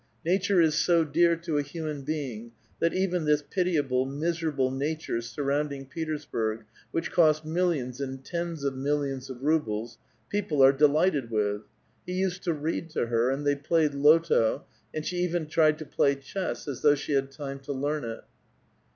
Nature is so dear to a human being that even this pitiable, miserable nature surrounding Petersburg, which cost millions and tens of millions of rubles, people are delighted with ; he used to read to her, and they played loto, and she even tried to play chess, as though she had time to learn it.